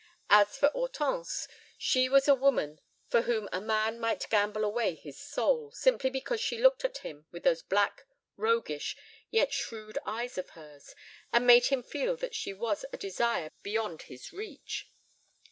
As for Hortense, she was a woman for whom a man might gamble away his soul, simply because she looked at him with those black, roguish, yet shrewd eyes of hers and made him feel that she was a desire beyond his reach.